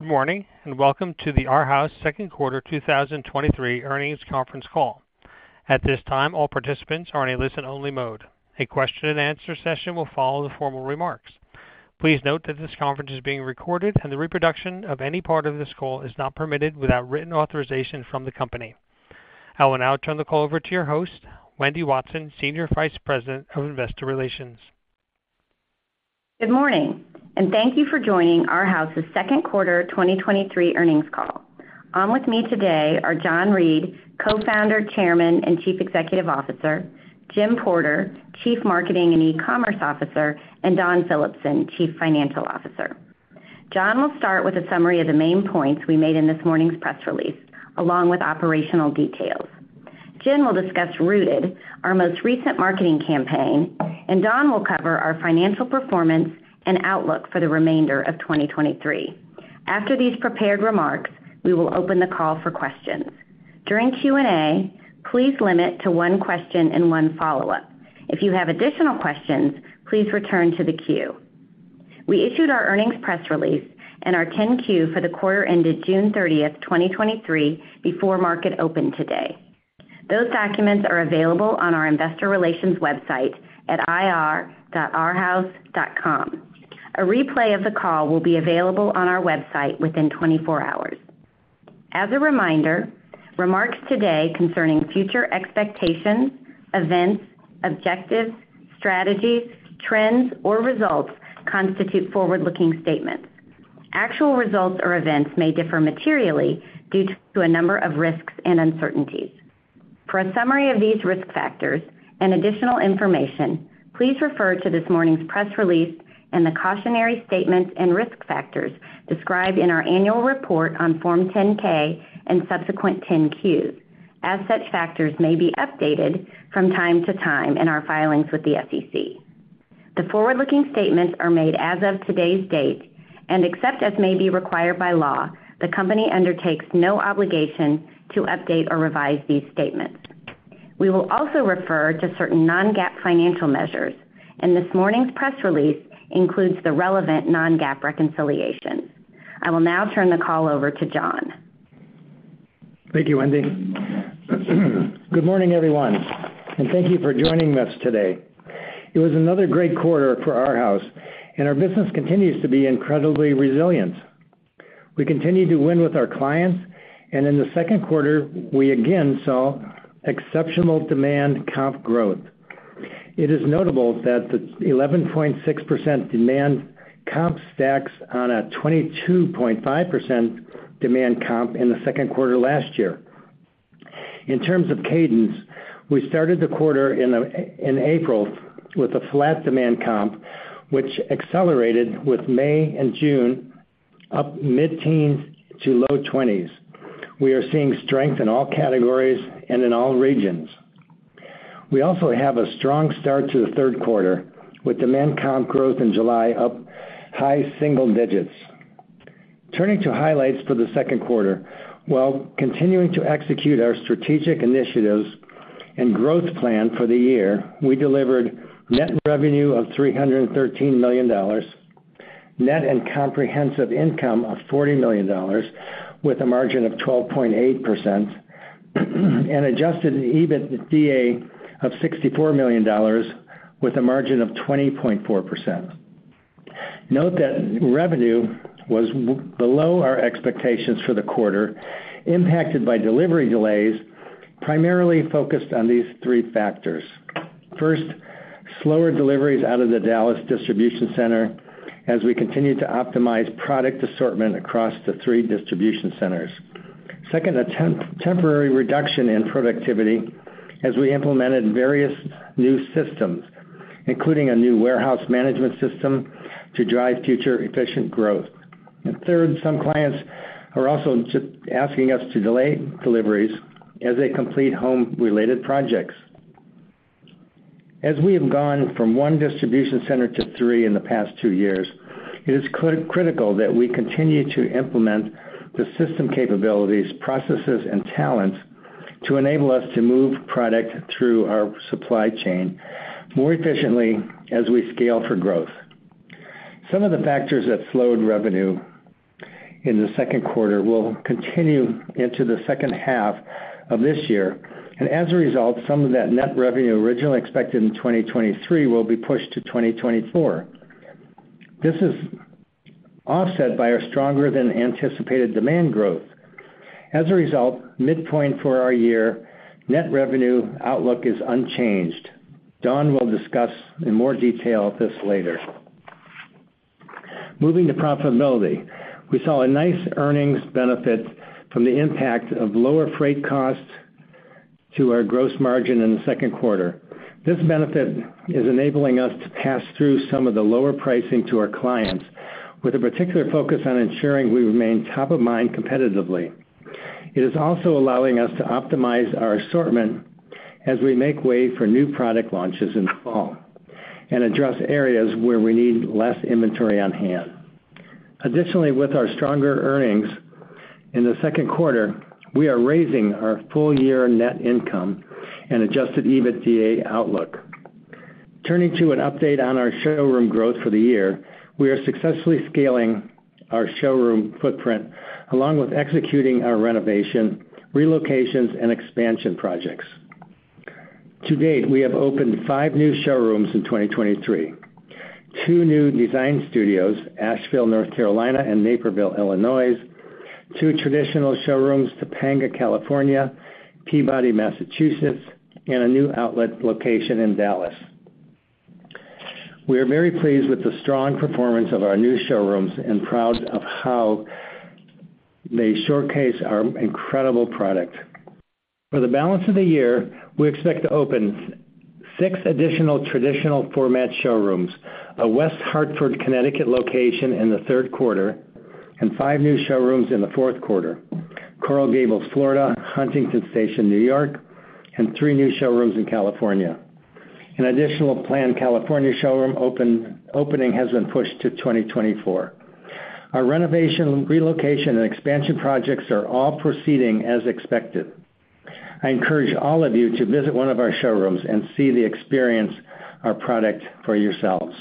Good morning, and welcome to the Arhaus second quarter 2023 earnings conference call. At this time, all participants are in a listen-only mode. A question-and-answer session will follow the formal remarks. Please note that this conference is being recorded, and the reproduction of any part of this call is not permitted without written authorization from the company. I will now turn the call over to your host, Wendy Watson, Senior Vice President of Investor Relations. Good morning, and thank you for joining Arhaus's second quarter 2023 earnings call. On with me today are John Reed, Co-Founder, Chairman, and Chief Executive Officer; Jennifer Porter, Chief Marketing and E-commerce Officer; and Dawn Phillipson, Chief Financial Officer. John will start with a summary of the main points we made in this morning's press release, along with operational details. Jen will discuss Rooted, our most recent marketing campaign, and Dawn will cover our financial performance and outlook for the remainder of 2023. After these prepared remarks, we will open the call for questions. During Q&A, please limit to one question and one follow-up. If you have additional questions, please return to the queue. We issued our earnings press release and our 10-Q for the quarter ended June 30th, 2023, before market open today. Those documents are available on our investor relations website at ir.arhaus.com. A replay of the call will be available on our website within 24 hours. As a reminder, remarks today concerning future expectations, events, objectives, strategies, trends, or results constitute forward-looking statements. Actual results or events may differ materially due to a number of risks and uncertainties. For a summary of these risk factors and additional information, please refer to this morning's press release and the cautionary statements and risk factors described in our annual report on Form 10-K and Subsequent 10-Qs, as such factors may be updated from time to time in our filings with the SEC. The forward-looking statements are made as of today's date, and except as may be required by law, the company undertakes no obligation to update or revise these statements. We will also refer to certain non-GAAP financial measures, and this morning's press release includes the relevant non-GAAP reconciliations. I will now turn the call over to John. Thank you, Wendy. Good morning, everyone, and thank you for joining us today. It was another great quarter for Arhaus, and our business continues to be incredibly resilient. We continue to win with our clients, and in the second quarter, we again saw exceptional demand comp growth. It is notable that the 11.6% demand comp stacks on a 22.5% demand comp in the second quarter last year. In terms of cadence, we started the quarter in April with a flat demand comp, which accelerated with May and June, up mid-teens to low twenties. We are seeing strength in all categories and in all regions. We also have a strong start to the third quarter, with demand comp growth in July up high single digits. Turning to highlights for the second quarter, while continuing to execute our strategic initiatives and growth plan for the year, we delivered net revenue of $313 million, net and comprehensive income of $40 million, with a margin of 12.8%, and adjusted EBITDA of $64 million, with a margin of 20.4%. Note that revenue was below our expectations for the quarter, impacted by delivery delays, primarily focused on these three factors: First, slower deliveries out of the Dallas distribution center as we continue to optimize product assortment across the three distribution centers. Second, a temporary reduction in productivity as we implemented various new systems, including a new warehouse management system, to drive future efficient growth. Third, some clients are also asking us to delay deliveries as they complete home-related projects. As we have gone from one distribution center to three in the past two years, it is critical that we continue to implement the system capabilities, processes, and talents to enable us to move product through our supply chain more efficiently as we scale for growth. Some of the factors that slowed revenue in the second quarter will continue into the second half of this year, and as a result, some of that net revenue originally expected in 2023 will be pushed to 2024. This is offset by our stronger-than-anticipated demand growth. As a result, midpoint for our year net revenue outlook is unchanged. Dawn will discuss in more detail this later. Moving to profitability. We saw a nice earnings benefit from the impact of lower freight costs to our gross margin in the second quarter. This benefit is enabling us to pass through some of the lower pricing to our clients, with a particular focus on ensuring we remain top of mind competitively. It is also allowing us to optimize our assortment as we make way for new product launches in the fall and address areas where we need less inventory on hand. Additionally, with our stronger earnings in the second quarter, we are raising our full-year net income and adjusted EBITDA outlook. Turning to an update on our showroom growth for the year, we are successfully scaling our showroom footprint, along with executing our renovation, relocations, and expansion projects. To date, we have opened five new showrooms in 2023. Two new design studios, Asheville, North Carolina, and Naperville, Illinois. Two traditional showrooms, Topanga, California, Peabody, Massachusetts, and a new outlet location in Dallas. We are very pleased with the strong performance of our new showrooms and proud of how they showcase our incredible product. For the balance of the year, we expect to open 6 additional traditional format showrooms, a West Hartford, Connecticut, location in the third quarter, and 5 new showrooms in the fourth quarter. Coral Gables, Florida, Huntington Station, New York, and 3 new showrooms in California. An additional planned California showroom opening has been pushed to 2024. Our renovation, relocation, and expansion projects are all proceeding as expected. I encourage all of you to visit one of our showrooms and see the experience, our product for yourselves.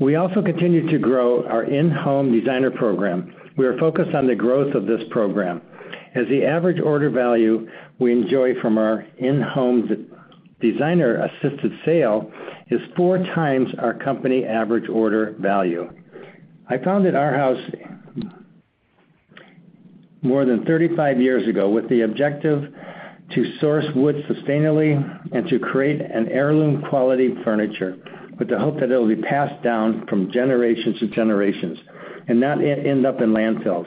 We also continue to grow our in-home designer program. We are focused on the growth of this program, as the avarage order value we enjoy from our in-home designer-assisted sale is 4 times our company average order value. I founded Arhaus more than 35 years ago with the objective to source wood sustainably and to create an heirloom-quality furniture, with the hope that it'll be passed down from generations to generations and not end up in landfills.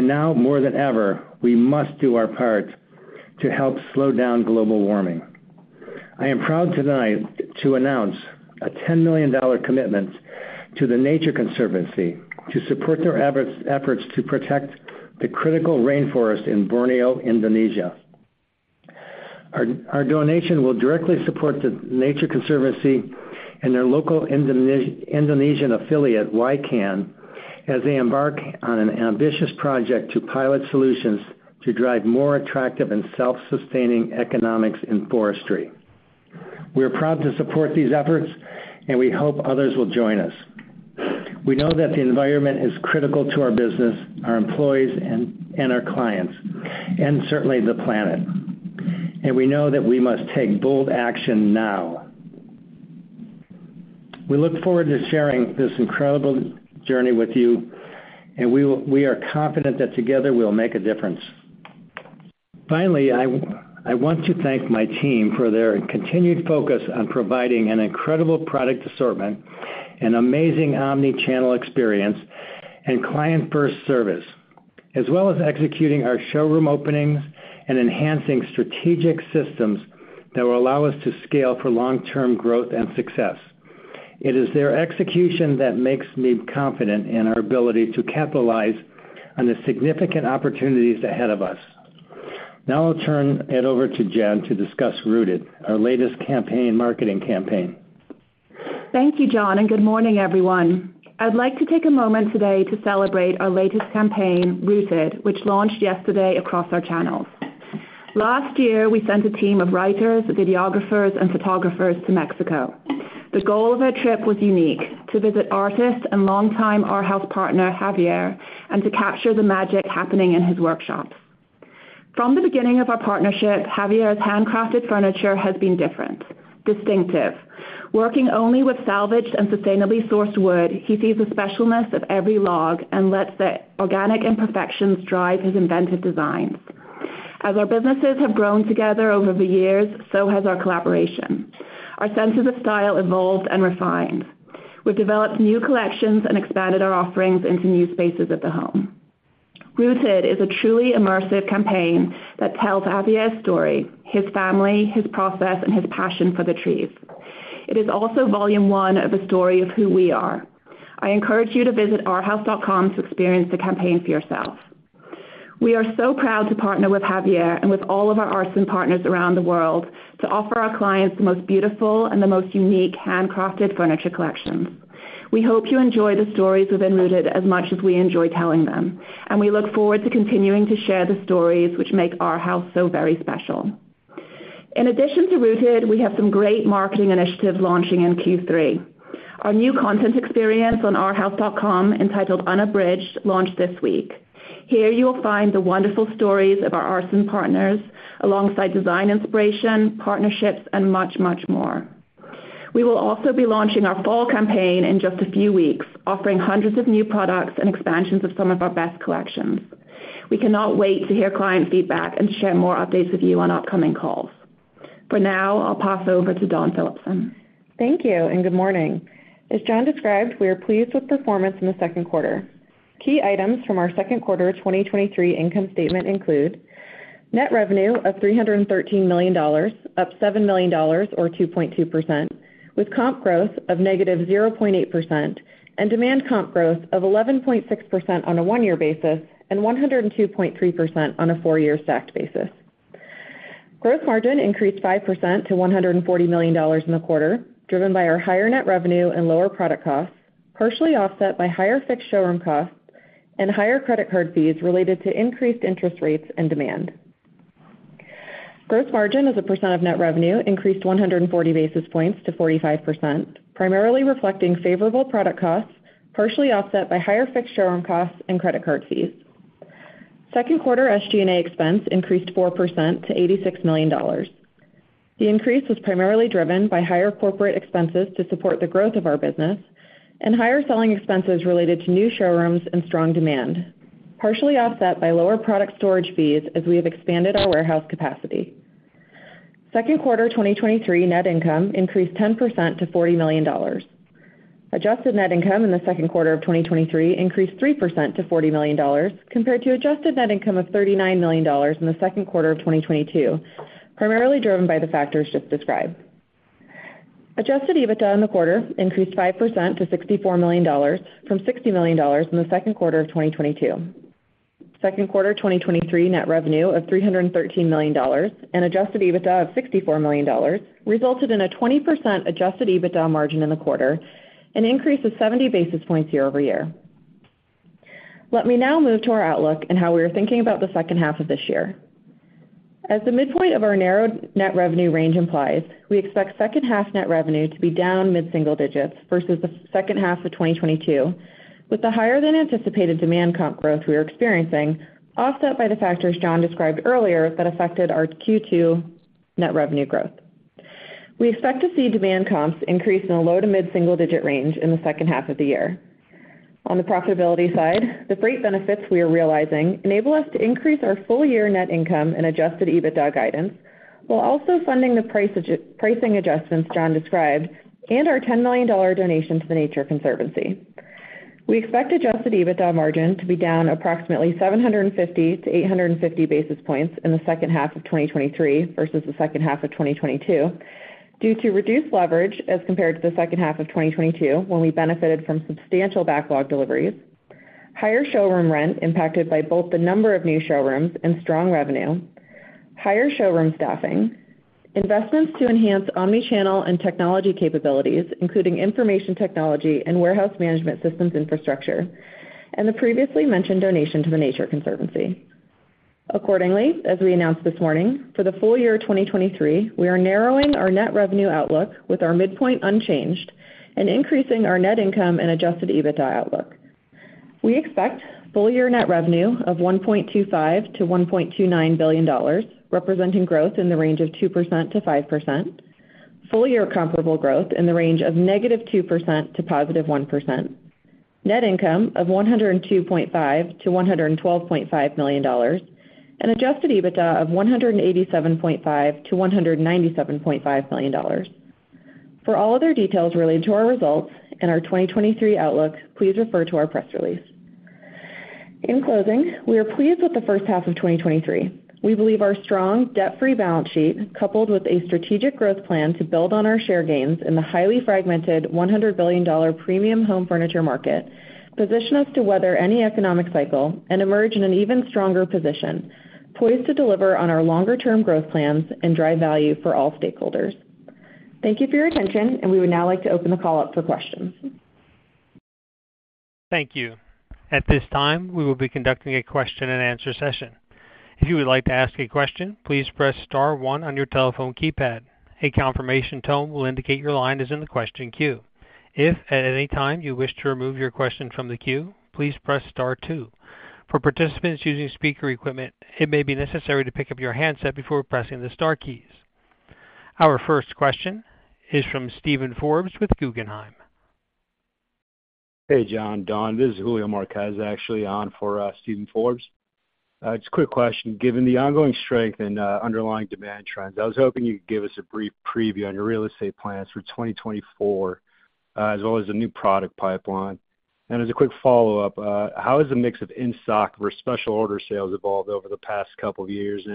Now more than ever, we must do our part to help slow down global warming. I am proud tonight to announce a $10 million commitment to The Nature Conservancy to support their efforts to protect the critical rainforest in Borneo, Indonesia. Our donation will directly support The Nature Conservancy and their local Indonesian affiliate, YCAN, as they embark on an ambitious project to pilot solutions to drive more attractive and self-sustaining economics in forestry. We are proud to support these efforts, we hope others will join us. We know that the environment is critical to our business, our employees, and our clients, and certainly the planet. We know that we must take bold action now. We look forward to sharing this incredible journey with you, and we are confident that together, we'll make a difference. Finally, I want to thank my team for their continued focus on providing an incredible product assortment, an amazing omni-channel experience, and client-first service, as well as executing our showroom openings and enhancing strategic systems that will allow us to scale for long-term growth and success. It is their execution that makes me confident in our ability to capitalize on the significant opportunities ahead of us. Now I'll turn it over to Jen to discuss Rooted, our latest campaign, marketing campaign. Thank you, John, and good morning, everyone. I'd like to take a moment today to celebrate our latest campaign, Rooted, which launched yesterday across our channels. Last year, we sent a team of writers, videographers, and photographers to Mexico. The goal of our trip was unique: to visit artist and longtime Arhaus partner, Javier, and to capture the magic happening in his workshops. From the beginning of our partnership, Javier's handcrafted furniture has been different, distinctive. Working only with salvaged and sustainably sourced wood, he sees the specialness of every log and lets the organic imperfections drive his inventive designs. As our businesses have grown together over the years, so has our collaboration. Our senses of style evolved and refined. We've developed new collections and expanded our offerings into new spaces of the home. Rooted is a truly immersive campaign that tells Javier's story, his family, his process, and his passion for the trees. It is also volume one of a story of who we are. I encourage you to visit arhaus.com to experience the campaign for yourself. We are so proud to partner with Javier and with all of our artisan partners around the world to offer our clients the most beautiful and the most unique handcrafted furniture collections. We hope you enjoy the stories within Rooted as much as we enjoy telling them, and we look forward to continuing to share the stories which make Arhaus so very special. In addition to Rooted, we have some great marketing initiatives launching in Q3. Our new content experience on arhaus.com, entitled Unabridged, launched this week. Here, you will find the wonderful stories of our artisan partners alongside design inspiration, partnerships, and much, much more. We will also be launching our fall campaign in just a few weeks, offering hundreds of new products and expansions of some of our best collections. We cannot wait to hear client feedback and share more updates with you on upcoming calls. For now, I'll pass over to Dawn Phillipson. Thank you. Good morning. As John described, we are pleased with performance in the second quarter. Key items from our second quarter 2023 income statement include: net revenue of $313 million, up $7 million or 2.2%, with comp growth of -0.8% and demand comp growth of 11.6% on a 1-year basis and 102.3% on a 4-year stacked basis. Gross margin increased 5% to $140 million in the quarter, driven by our higher net revenue and lower product costs, partially offset by higher fixed showroom costs and higher credit card fees related to increased interest rates and demand. Gross margin as a percent of net revenue increased 140 basis points to 45%, primarily reflecting favorable product costs, partially offset by higher fixed showroom costs and credit card fees. Second quarter SG&A expense increased 4% to $86 million. The increase was primarily driven by higher corporate expenses to support the growth of our business and higher selling expenses related to new showrooms and strong demand, partially offset by lower product storage fees as we have expanded our warehouse capacity. Second quarter 2023 net income increased 10% to $40 million. Adjusted net income in the second quarter of 2023 increased 3% to $40 million, compared to adjusted net income of $39 million in the second quarter of 2022, primarily driven by the factors just described. Adjusted EBITDA in the quarter increased 5% to $64 million from $60 million in the second quarter of 2022. Second quarter 2023 net revenue of $313 million and adjusted EBITDA of $64 million resulted in a 20% adjusted EBITDA margin in the quarter, an increase of 70 basis points year-over-year. Let me now move to our outlook and how we are thinking about the second half of this year. As the midpoint of our narrowed net revenue range implies, we expect second half net revenue to be down mid-single digits versus the second half of 2022, with the higher than anticipated demand comp growth we are experiencing, offset by the factors John described earlier that affected our Q2 net revenue growth. We expect to see demand comps increase in a low to mid-single digit range in the second half of the year. On the profitability side, the freight benefits we are realizing enable us to increase our full year net income and adjusted EBITDA guidance, while also funding the pricing adjustments John described and our $10 million donation to The Nature Conservancy. We expect adjusted EBITDA margin to be down approximately 750-850 basis points in the second half of 2023 versus the second half of 2022, due to reduced leverage as compared to the second half of 2022, when we benefited from substantial backlog deliveries, higher showroom rent impacted by both the number of new showrooms and strong revenue, higher showroom staffing, investments to enhance omni-channel and technology capabilities, including information technology and warehouse management systems infrastructure, and the previously mentioned donation to The Nature Conservancy. Accordingly, as we announced this morning, for the full year 2023, we are narrowing our net revenue outlook with our midpoint unchanged and increasing our net income and adjusted EBITDA outlook. We expect full year net revenue of $1.25 billion-$1.29 billion, representing growth in the range of 2%-5%, full year comparable growth in the range of -2% to +1%, net income of $102.5 million-$112.5 million, and adjusted EBITDA of $187.5 million-$197.5 million. For all other details related to our results and our 2023 outlook, please refer to our press release. In closing, we are pleased with the first half of 2023. We believe our strong debt-free balance sheet, coupled with a strategic growth plan to build on our share gains in the highly fragmented $100 billion premium home furniture market, position us to weather any economic cycle and emerge in an even stronger position, poised to deliver on our longer-term growth plans and drive value for all stakeholders. Thank you for your attention. We would now like to open the call up for questions. Thank you. At this time, we will be conducting a question-and-answer session. If you would like to ask a question, please press star one on your telephone keypad. A confirmation tone will indicate your line is in the question queue. If at any time you wish to remove your question from the queue, please press star two. For participants using speaker equipment, it may be necessary to pick up your handset before pressing the star keys. Our first question is from Steven Forbes with Guggenheim. Hey, John, Dawn, this is Julio Marquez, actually, on for Steven Forbes. Just a quick question. Given the ongoing strength and underlying demand trends, I was hoping you could give us a brief preview on your real estate plans for 2024, as well as the new product pipeline. As a quick follow-up, how has the mix of in-stock or special order sales evolved over the past couple of years?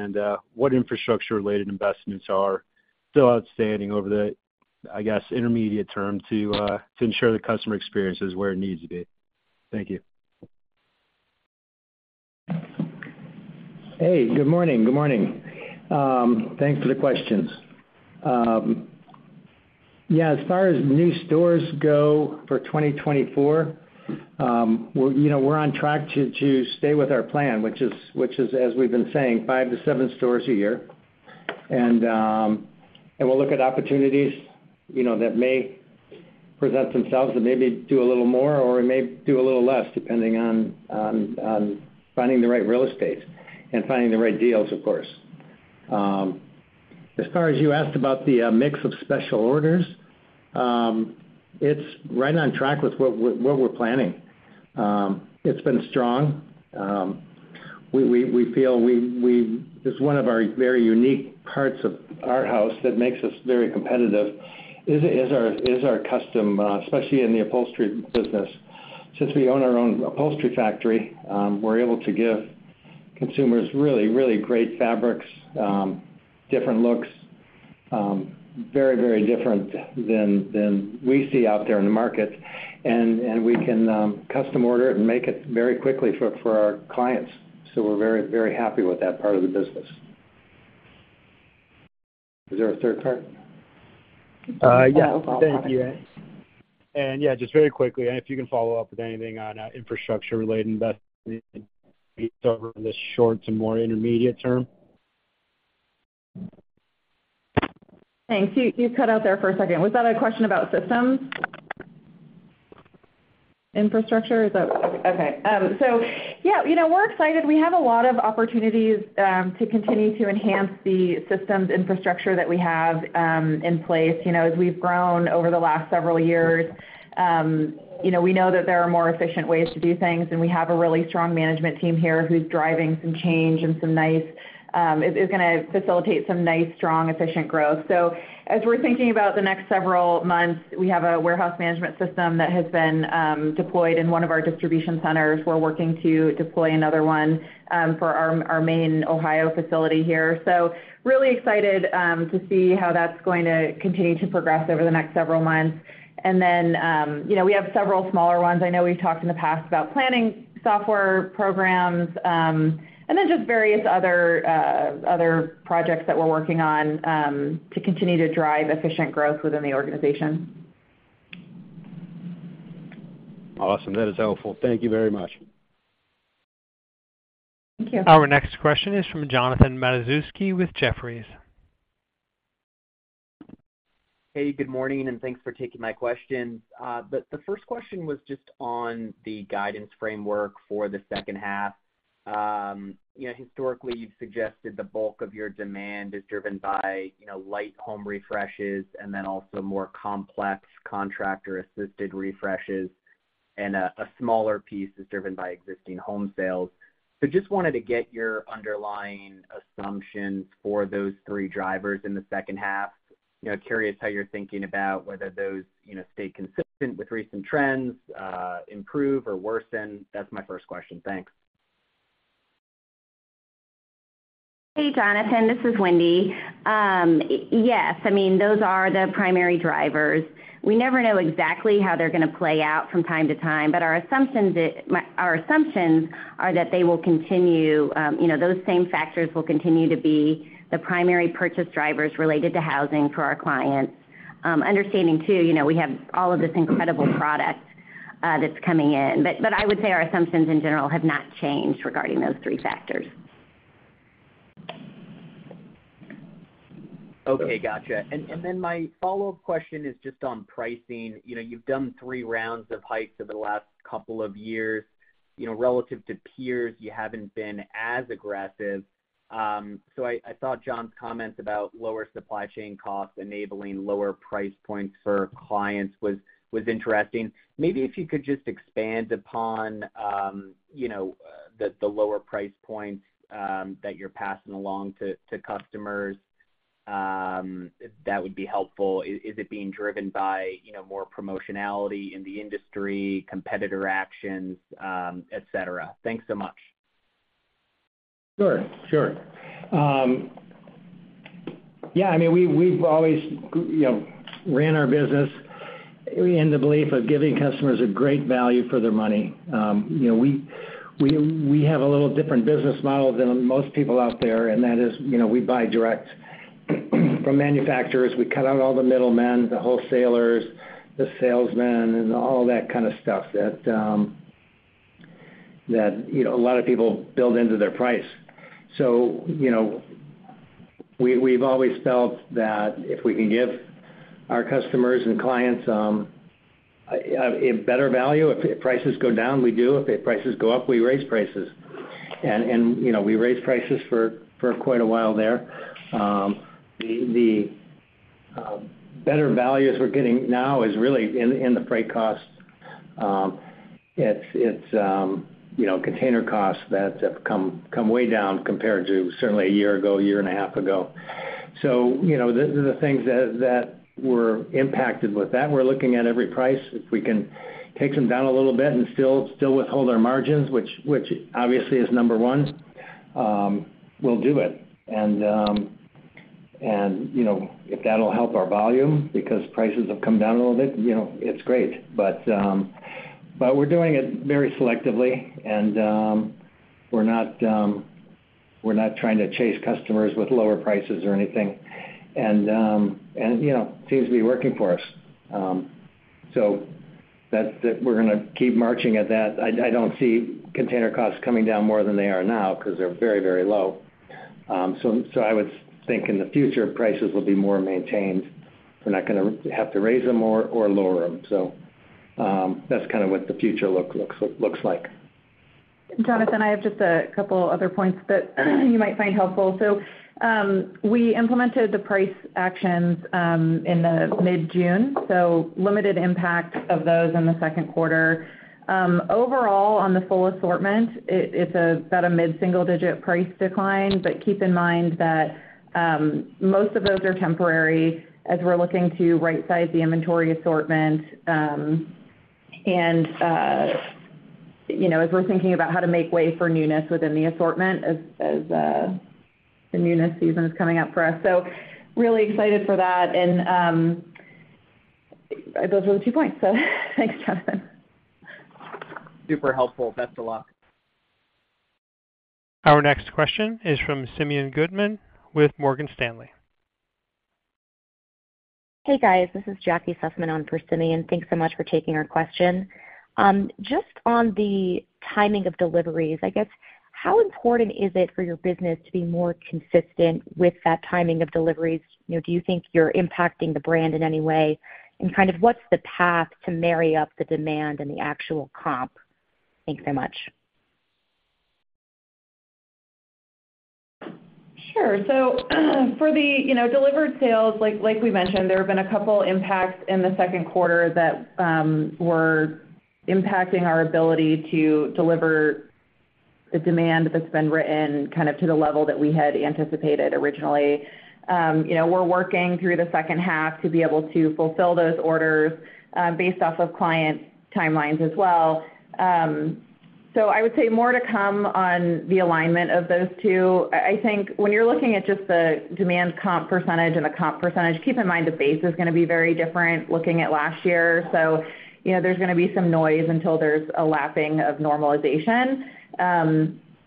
What infrastructure-related investments are still outstanding over the, I guess, intermediate term to ensure the customer experience is where it needs to be? Thank you. Hey, good morning. Good morning. Thanks for the questions. Yeah, as far as new stores go for 2024, we're, you know, we're on track to, to stay with our plan, which is, which is, as we've been saying, 5 to 7 stores a year. We'll look at opportunities, you know, that may present themselves and maybe do a little more or may do a little less, depending on, on finding the right real estate and finding the right deals, of course. As far as you asked about the mix of special orders, it's right on track with what we're, what we're planning. It's been strong. We, we, we feel. It's one of our very unique parts of Arhaus that makes us very competitive is, is our, is our custom, especially in the upholstery business. Since we own our own upholstery factory, we're able to give consumers really, really great fabrics, different looks, very, very different than we see out there in the market. We can custom order it and make it very quickly for our clients. We're very, very happy with that part of the business. Is there a third part? Yeah. Thank you. Yeah, just very quickly, and if you can follow up with anything on, infrastructure-related investments over the short to more intermediate term? Thanks. You, you cut out there for a second. Was that a question about systems? Infrastructure? Okay. Yeah, you know, we're excited. We have a lot of opportunities to continue to enhance the systems infrastructure that we have in place. You know, as we've grown over the last several years, you know, we know that there are more efficient ways to do things, and we have a really strong management team here who's driving some change and some nice, is, is gonna facilitate some nice, strong, efficient growth. As we're thinking about the next several months, we have a warehouse management system that has been deployed in 1 of our distribution centers. We're working to deploy another one for our, our main Ohio facility here. Really excited to see how that's going to continue to progress over the next several months. You know, we have several smaller ones. I know we've talked in the past about planning software programs, and then just various other projects that we're working on to continue to drive efficient growth within the organization. Awesome. That is helpful. Thank you very much. Thank you. Our next question is from Jonathan Matuszewski with Jefferies. Hey, good morning, and thanks for taking my questions. The first question was just on the guidance framework for the second half. You know, historically, you've suggested the bulk of your demand is driven by, you know, light home refreshes and then also more complex contractor-assisted refreshes, and a, a smaller piece is driven by existing home sales. Just wanted to get your underlying assumptions for those three drivers in the second half. You know, curious how you're thinking about whether those, you know, stay consistent with recent trends, improve or worsen. That's my first question. Thanks. Hey, Jonathan, this is Wendy. Yes, I mean, those are the primary drivers. We never know exactly how they're gonna play out from time to time, but our assumptions are that they will continue, you know, those same factors will continue to be the primary purchase drivers related to housing for our clients. Understanding, too, you know, we have all of this incredible product that's coming in, but, but I would say our assumptions in general have not changed regarding those three factors. Okay, gotcha. My follow-up question is just on pricing. You know, you've done 3 rounds of hikes over the last couple of years. You know, relative to peers, you haven't been as aggressive. I saw John's comments about lower supply chain costs enabling lower price points for clients was interesting. Maybe if you could just expand upon, you know, the lower price points that you're passing along to customers, that would be helpful. Is it being driven by, you know, more promotionality in the industry, competitor actions, et cetera? Thanks so much. Sure, sure. Yeah, I mean, we, we've always, you know, ran our business in the belief of giving customers a great value for their money. You know, we, we, we have a little different business model than most people out there, and that is, you know, we buy direct from manufacturers. We cut out all the middlemen, the wholesalers, the salesmen, and all that kind of stuff that, that, you know, a lot of people build into their price. You know, we, we've always felt that if we can give our customers and clients a better value, if, if prices go down, we do. If prices go up, we raise prices. And, and, you know, we raised prices for, for quite a while there. The, the, better values we're getting now is really in, in the freight costs. It's, it's, you know, container costs that have come, come way down compared to certainly a year ago, a year and a half ago. You know, the, the things that, that were impacted with that, we're looking at every price. If we can take them down a little bit and still, still withhold our margins, which, which obviously is number one, we'll do it. You know, if that'll help our volume because prices have come down a little bit, you know, it's great. We're doing it very selectively, and, we're not, we're not trying to chase customers with lower prices or anything. You know, it seems to be working for us. That's it. We're gonna keep marching at that. I, I don't see container costs coming down more than they are now because they're very, very low. I would think in the future, prices will be more maintained. We're not gonna have to raise them more or lower them. That's kind of what the future look, looks, looks like. Jonathan, I have just 2 other points that you might find helpful. We implemented the price actions in the mid-June, so limited impact of those in the second quarter. Overall, on the full assortment, it's about a mid-single-digit price decline, but keep in mind that most of those are temporary as we're looking to right-size the inventory assortment, and, you know, as we're thinking about how to make way for newness within the assortment as, as, the newness season is coming up for us. Really excited for that, and, those are the 2 points. Thanks, Jonathan. Super helpful. Best of luck. Our next question is from Simeon Gutman with Morgan Stanley. Hey, guys, this is Jackie Sussman on for Simeon. Thanks so much for taking our question. Just on the timing of deliveries, I guess, how important is it for your business to be more consistent with that timing of deliveries? You know, do you think you're impacting the brand in any way? Kind of what's the path to marry up the demand and the actual comp? Thank you so much. Sure. For the, you know, delivered sales, like, like we mentioned, there have been 2 impacts in the second quarter that were impacting our ability to deliver the demand that's been written kind of to the level that we had anticipated originally. You know, we're working through the second half to be able to fulfill those orders, based off of client timelines as well. I would say more to come on the alignment of those 2. I, I think when you're looking at just the demand comp % and the comp %, keep in mind the base is gonna be very different looking at last year. You know, there's gonna be some noise until there's a lapping of normalization.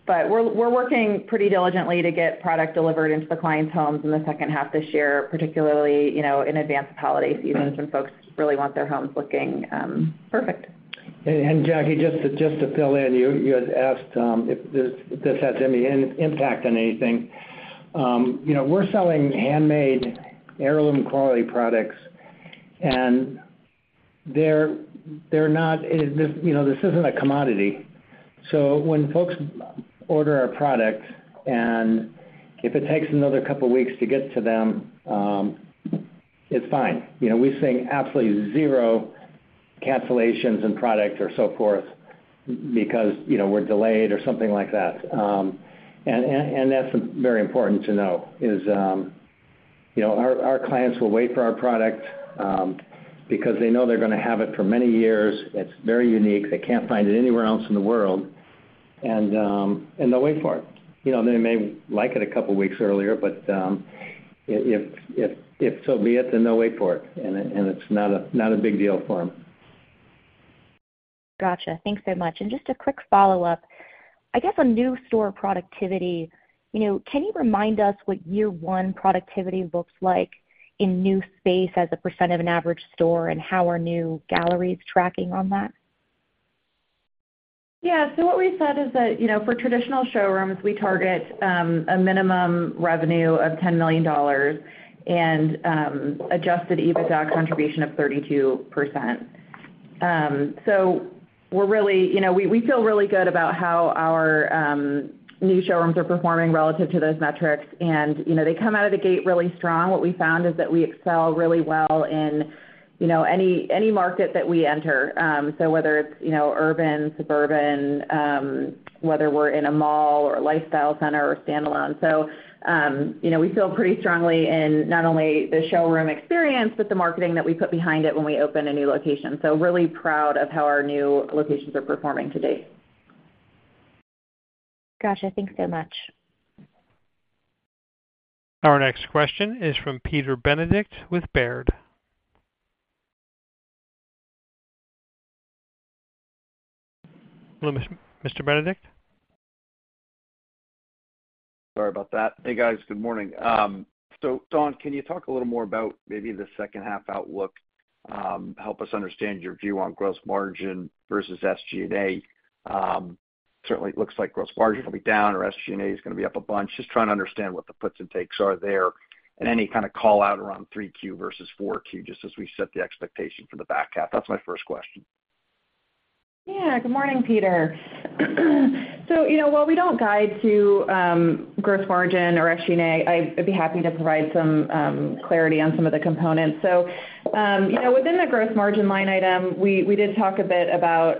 We're, we're working pretty diligently to get product delivered into the clients' homes in the second half this year, particularly, you know, in advance of holiday season when folks really want their homes looking perfect. Jackie, just to, just to fill in, you, you had asked if this, this has any impact on anything. You know, we're selling handmade heirloom quality products, and they're, they're not, you know, this isn't a commodity. When folks order our product, and if it takes another couple of weeks to get to them, it's fine. You know, we've seen absolutely 0 cancellations in product or so forth because, you know, we're delayed or something like that. And, and that's very important to know, is, you know, our, our clients will wait for our product because they know they're gonna have it for many years. It's very unique. They can't find it anywhere else in the world, and they'll wait for it. You know, they may like it a couple of weeks earlier, but, if so be it, then they'll wait for it, and it's not a big deal for them. Gotcha. Thanks so much. Just a quick follow-up. I guess, on new store productivity, you know, can you remind us what year 1 productivity looks like in new space as a % of an average store, and how are new galleries tracking on that? Yeah. What we've said is that, you know, for traditional showrooms, we target a minimum revenue of $10 million and adjusted EBITDA contribution of 32%. We're you know, we, we feel really good about how our new showrooms are performing relative to those metrics, and, you know, they come out of the gate really strong. What we found is that we excel really well in, you know, any, any market that we enter. Whether it's, you know, urban, suburban, whether we're in a mall or a lifestyle center or standalone. You know, we feel pretty strongly in not only the showroom experience, but the marketing that we put behind it when we open a new location. Really proud of how our new locations are performing to date. Gotcha. Thanks so much. Our next question is from Peter Benedict with Baird. Hello, Mr. Benedict? Sorry about that. Hey, guys. Good morning. Dawn, can you talk a little more about maybe the second half outlook, help us understand your view on gross margin versus SG&A? Certainly, it looks like gross margin will be down or SG&A is gonna be up a bunch. Just trying to understand what the puts and takes are there, and any kind of call-out around three Q versus four Q, just as we set the expectation for the back half. That's my first question. Yeah. Good morning, Peter. You know, while we don't guide to gross margin or SG&A, I'd be happy to provide some clarity on some of the components. You know, within the gross margin line item, we did talk a bit about,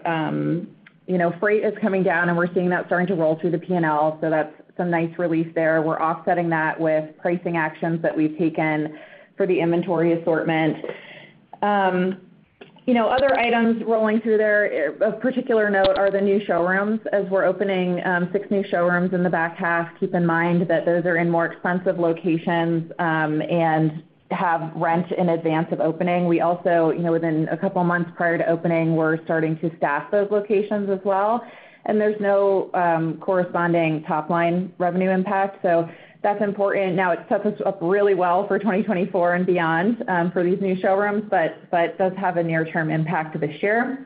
you know, freight is coming down, and we're seeing that starting to roll through the P&L, so that's some nice relief there. We're offsetting that with pricing actions that we've taken for the inventory assortment. You know, other items rolling through there of particular note are the new showrooms. As we're opening 6 new showrooms in the back half, keep in mind that those are in more expensive locations, and have rent in advance of opening. We also, you know, within a couple of months prior to opening, we're starting to staff those locations as well, and there's no corresponding top-line revenue impact. That's important. It sets us up really well for 2024 and beyond, for these new showrooms, but, but does have a near-term impact this year.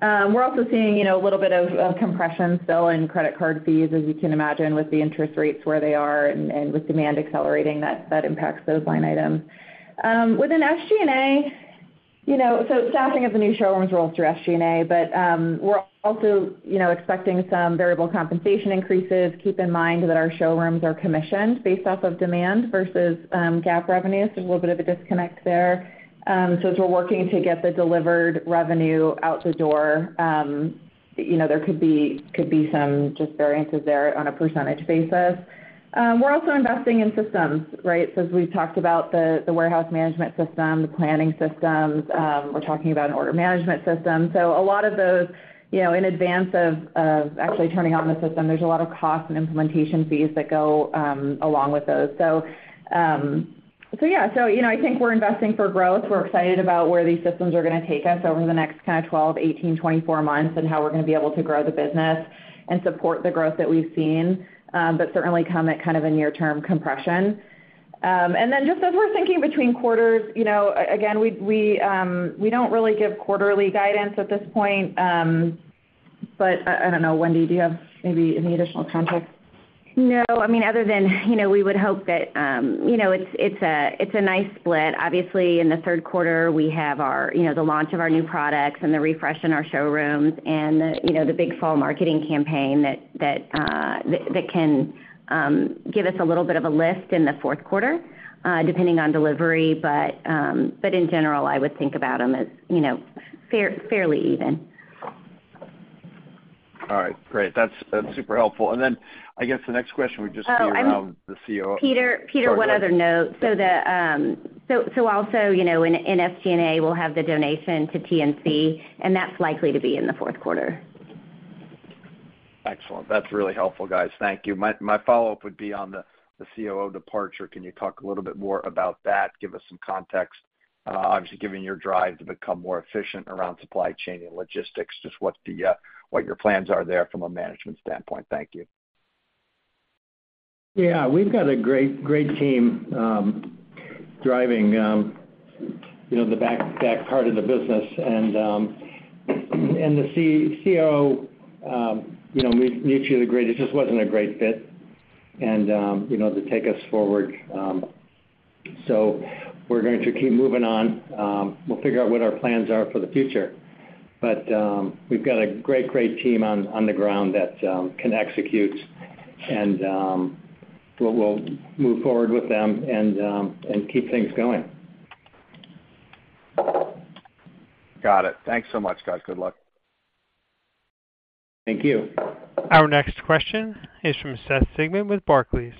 We're also seeing, you know, a little bit of, of compression still in credit card fees, as you can imagine, with the interest rates where they are and, and with demand accelerating, that, that impacts those line items. Within SG&A, you know, so staffing of the new showrooms rolls through SG&A, but we're also, you know, expecting some variable compensation increases. Keep in mind that our showrooms are commissioned based off of demand versus GAAP revenue, so a little bit of a disconnect there. As we're working to get the delivered revenue out the door, you know, there could be, could be some just variances there on a percentage basis. We're also investing in systems, right? As we've talked about the, the warehouse management system, the planning systems, we're talking about an order management system. A lot of those, you know, in advance of, of actually turning on the system, there's a lot of costs and implementation fees that go along with those. Yeah, so, you know, I think we're investing for growth. We're excited about where these systems are going to take us over the next kind of 12, 18, 24 months, and how we're going to be able to grow the business and support the growth that we've seen, but certainly come at kind of a near-term compression. Then just as we're thinking between quarters, you know, we, we don't really give quarterly guidance at this point. I, I don't know, Wendy, do you have maybe any additional context? No. I mean, other than, you know, we would hope that, you know, it's, it's a, it's a nice split. Obviously, in the third quarter, we have our, you know, the launch of our new products and the refresh in our showrooms and the, you know, the big fall marketing campaign that, that, that, that can give us a little bit of a lift in the fourth quarter, depending on delivery. In general, I would think about them as, you know, fair- fairly even. All right, great. That's, that's super helpful. Then I guess the next question would just be around the COO- Peter, Peter, one other note. Sorry, go ahead. Also, you know, in, in SG&A, we'll have the donation to TNC, and that's likely to be in the fourth quarter. Excellent. That's really helpful, guys. Thank you. My, my follow-up would be on the, the COO departure. Can you talk a little bit more about that? Give us some context. Obviously, given your drive to become more efficient around supply chain and logistics, just what the, what your plans are there from a management standpoint. Thank you. Yeah, we've got a great, great team, driving, you know, the back, back part of the business. The COO, you know, we mutually agreed it just wasn't a great fit, and, you know, to take us forward. We're going to keep moving on. We'll figure out what our plans are for the future. We've got a great, great team on, on the ground that can execute, and we'll, we'll move forward with them and keep things going. Got it. Thanks so much, guys. Good luck. Thank you. Our next question is from Seth Sigman with Barclays.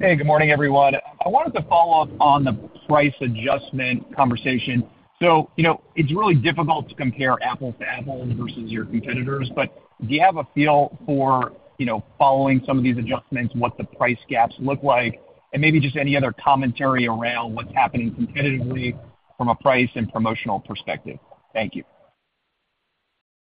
Hey, good morning, everyone. I wanted to follow up on the price adjustment conversation. You know, it's really difficult to compare apples to apples versus your competitors, but do you have a feel for, you know, following some of these adjustments, what the price gaps look like? Maybe just any other commentary around what's happening competitively from a price and promotional perspective. Thank you.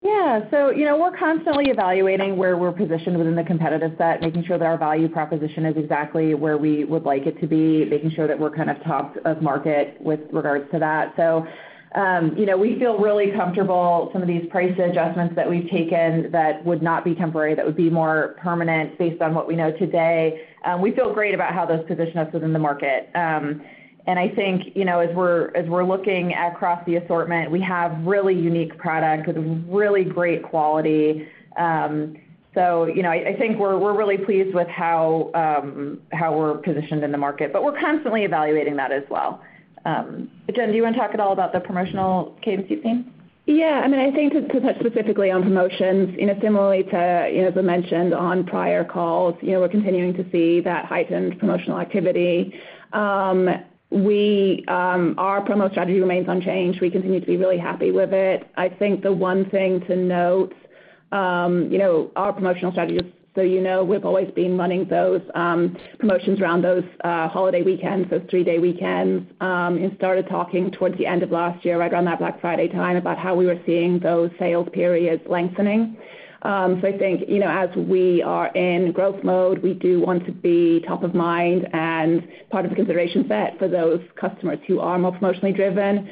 Yeah. You know, we're constantly evaluating where we're positioned within the competitive set, making sure that our value proposition is exactly where we would like it to be, making sure that we're kind of top of market with regards to that. You know, we feel really comfortable some of these price adjustments that we've taken that would not be temporary, that would be more permanent based on what we know today. We feel great about how those position us within the market. I think, you know, as we're, as we're looking across the assortment, we have really unique product with really great quality. You know, I, I think we're, we're really pleased with how we're positioned in the market, but we're constantly evaluating that as well. Jen, do you want to talk at all about the promotional cadence you've seen? Yeah. I mean, I think to, to touch specifically on promotions, you know, similarly to, you know, as I mentioned on prior calls, you know, we're continuing to see that heightened promotional activity. Our promo strategy remains unchanged. We continue to be really happy with it. I think the one thing to note, you know, our promotional strategy, so you know, we've always been running those promotions around those holiday weekends, those three-day weekends, and started talking towards the end of last year, right around that Black Friday time, about how we were seeing those sales periods lengthening. I think, you know, as we are in growth mode, we do want to be top of mind and part of the consideration set for those customers who are more promotionally driven.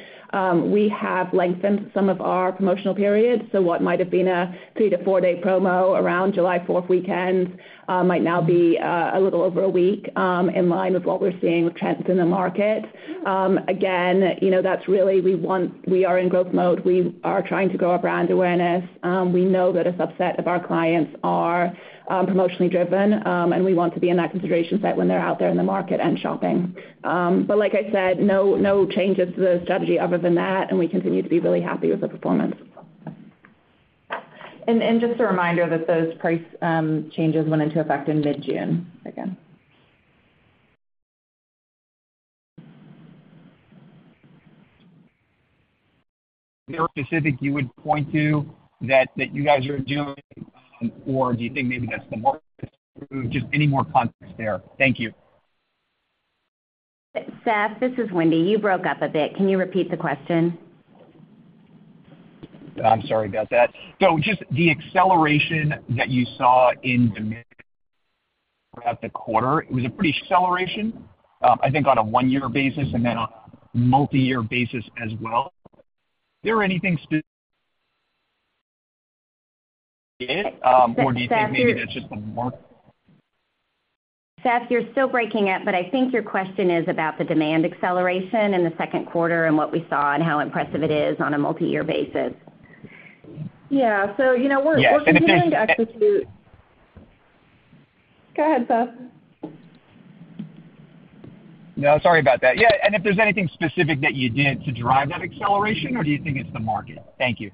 We have lengthened some of our promotional periods, so what might have been a 3-4 day promo around July fourth weekend, might now be a little over 1 week, in line with what we're seeing with trends in the market. Again, you know, that's really, we are in growth mode. We are trying to grow our brand awareness. We know that a subset of our clients are promotionally driven, and we want to be in that consideration set when they're out there in the market and shopping. But like I said, no, no changes to the strategy other than that, and we continue to be really happy with the performance. Just a reminder that those price, changes went into effect in mid-June, again. Is there specific you would point to, that you guys are doing, or do you think maybe that's the market? Just any more context there. Thank you. Seth, this is Wendy. You broke up a bit. Can you repeat the question? I'm sorry about that. Just the acceleration that you saw in demand throughout the quarter, it was a pretty acceleration, I think on a one-year basis and then on a multiyear basis as well. Is there anything or do you think maybe that's just the market? Seth, you're still breaking up, but I think your question is about the demand acceleration in the second quarter and what we saw and how impressive it is on a multiyear basis. Yeah. you know. Yeah. continuing to execute... Go ahead, Seth. No, sorry about that. Yeah, if there's anything specific that you did to drive that acceleration, or do you think it's the market? Thank you.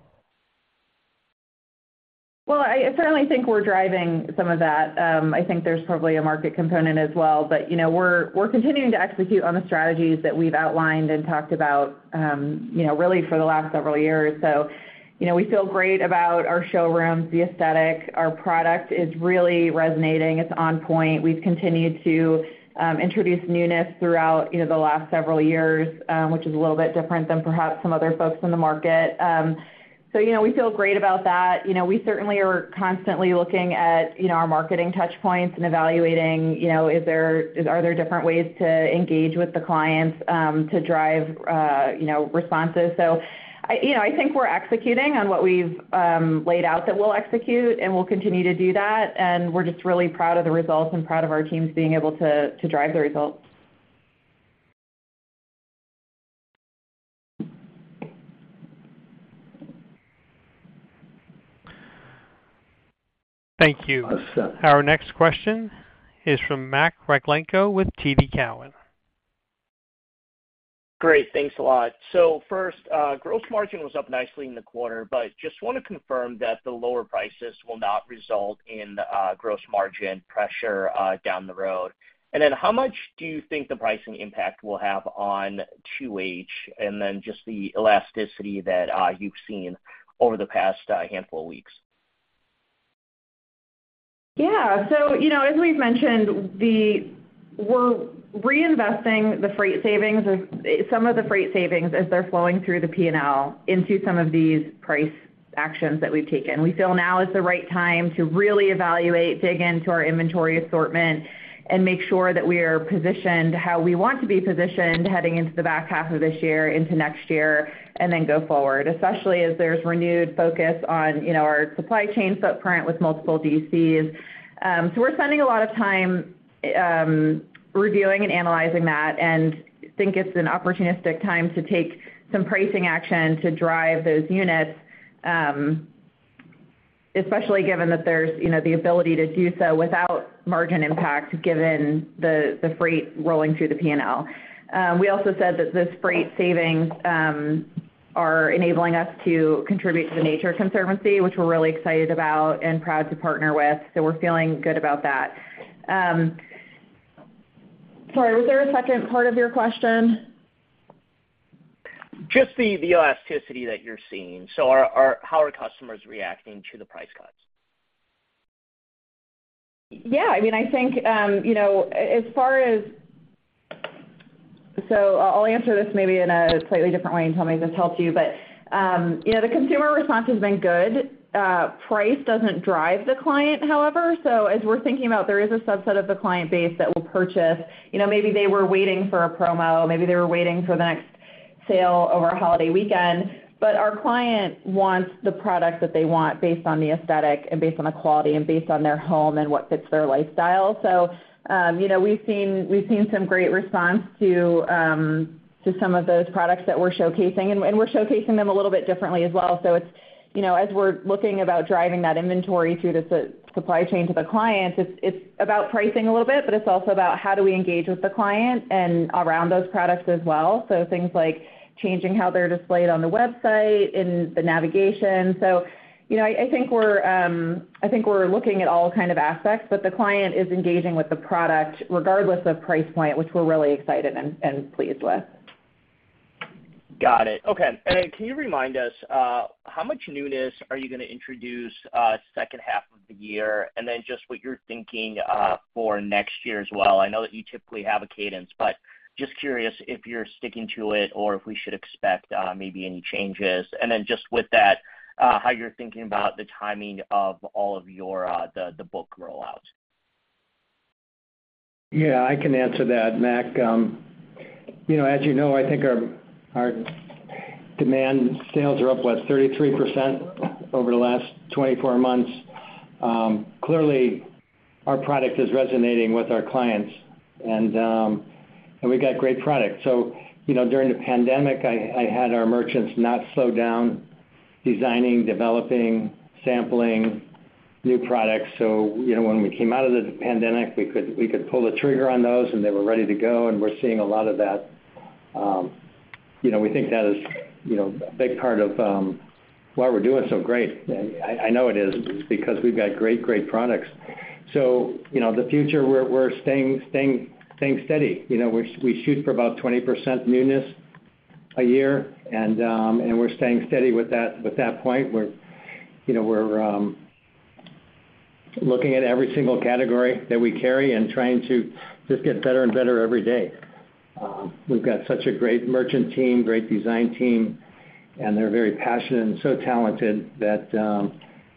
Well, I, I certainly think we're driving some of that. I think there's probably a market component as well. You know, we're, we're continuing to execute on the strategies that we've outlined and talked about, you know, really for the last several years. You know, we feel great about our showrooms, the aesthetic. Our product is really resonating. It's on point. We've continued to introduce newness throughout, you know, the last several years, which is a little bit different than perhaps some other folks in the market. You know, we feel great about that. You know, we certainly are constantly looking at, you know, our marketing touchpoints and evaluating, you know, are there different ways to engage with the clients to drive, you know, responses? I, you know, I think we're executing on what we've laid out that we'll execute, and we'll continue to do that, and we're just really proud of the results and proud of our teams being able to, to drive the results. Thank you. Our next question is from Max Rakhlenko with TD Cowen. Great. Thanks a lot. First, gross margin was up nicely in the quarter, but just want to confirm that the lower prices will not result in gross margin pressure down the road. How much do you think the pricing impact will have on 2H? Just the elasticity that you've seen over the past handful of weeks. Yeah. So, you know, as we've mentioned, we're reinvesting the freight savings, or some of the freight savings as they're flowing through the P&L, into some of these price actions that we've taken. We feel now is the right time to really evaluate, dig into our inventory assortment and make sure that we are positioned how we want to be positioned, heading into the back half of this year, into next year, and then go forward, especially as there's renewed focus on, you know, our supply chain footprint with multiple DCs. So we're spending a lot of time reviewing and analyzing that, and think it's an opportunistic time to take some pricing action to drive those units, especially given that there's, you know, the ability to do so without margin impact, given the, the freight rolling through the P&L. We also said that those freight savings are enabling us to contribute to The Nature Conservancy, which we're really excited about and proud to partner with. We're feeling good about that. Sorry, was there a second part of your question? Just the, the elasticity that you're seeing. Are, are-- how are customers reacting to the price cuts? Yeah, I mean, I think, you know, as far as... I'll answer this maybe in a slightly different way, and tell me if this helps you. You know, the consumer response has been good. Price doesn't drive the client, however. As we're thinking about, there is a subset of the client base that will purchase. You know, maybe they were waiting for a promo, maybe they were waiting for the next sale over a holiday weekend, but our client wants the product that they want based on the aesthetic and based on the quality and based on their home and what fits their lifestyle. You know, we've seen, we've seen some great response to, to some of those products that we're showcasing, and, and we're showcasing them a little bit differently as well. It's, you know, as we're looking about driving that inventory through the supply chain to the clients, it's, it's about pricing a little bit, but it's also about how do we engage with the client and around those products as well. Things like changing how they're displayed on the website, in the navigation. You know, I, I think we're, I think we're looking at all kind of aspects, but the client is engaging with the product regardless of price point, which we're really excited and, and pleased with. Got it. Okay. Can you remind us how much newness are you gonna introduce second half of the year? Just what you're thinking for next year as well. I know that you typically have a cadence, but just curious if you're sticking to it or if we should expect maybe any changes. Just with that, how you're thinking about the timing of all of your the book rollouts. Yeah, I can answer that, Mac. you know, as you know, I think our, our demand sales are up, what, 33% over the last 24 months. Clearly, our product is resonating with our clients, and we've got great products. you know, during the pandemic, I, I had our merchants not slow down designing, developing, sampling new products. you know, when we came out of the pandemic, we could, we could pull the trigger on those, and they were ready to go, and we're seeing a lot of that. you know, we think that is, you know, a big part of why we're doing so great. I, I know it is, because we've got great, great products. you know, the future, we're, we're staying, staying, staying steady. You know, we, we shoot for about 20% newness a year. We're staying steady with that, with that point. We're, you know, we're looking at every single category that we carry and trying to just get better and better every day. We've got such a great merchant team, great design team, and they're very passionate and so talented that